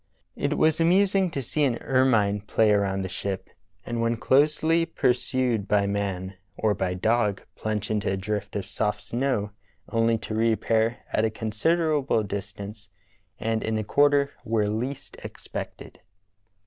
It was amusing to see an ermine play around the ship, and when closely pursued by man or by dog plunge into a drift of soft snow onl}' to reappear at a considerable distance and in a quarter where least expected.